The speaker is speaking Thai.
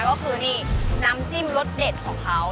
ก็คือนี่น้ำจิ้มรสเด็ดของเขา